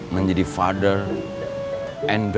menjadi perempuan yang menarik